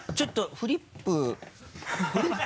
フリップ？